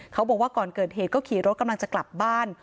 เขาบอกว่าก่อนเกิดเหตุก็ขี่รถกำลังจะกลับบ้าน